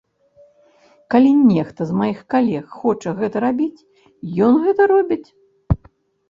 Калі нехта з маіх калег хоча гэта рабіць, ён гэта робіць.